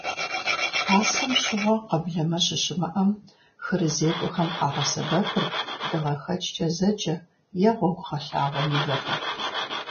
Пасэм щыгъуэ, къэблэмэ щыщымыӀам, хырызекӀуэхэм къагъэсэбэпырт дыгъэхэкӀкӀэ зэджэ, е гъуэгугъэлъагъуэ мывэхэр.